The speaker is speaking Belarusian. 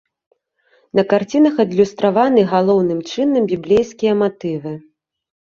На карцінах адлюстраваны галоўным чынам біблейскія матывы.